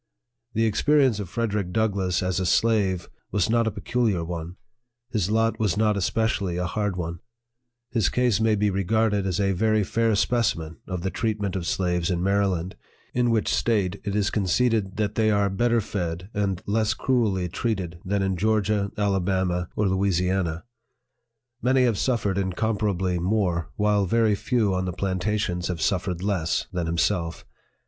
The experience of FREDERICK DOUGLASS, as a slave, was not a peculiar one ; his lot was not especially a hard one ; his case may be re garded as a very fair specimen of the treatment of slaves in Maryland, in which State it is conceded that they are better fed and less cruelly treated than in Georgia, Alabama, or Louisiana. Many have suffered incomparably more, while very few on the plantations have suffered less, than himself.